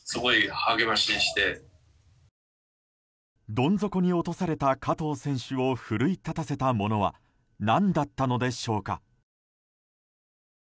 どん底に落とされた加藤選手を奮い立たせたものは何だったのでしょうか。